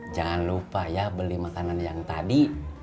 jangan lupa ya beli makanan yang tadi